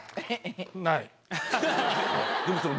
ない。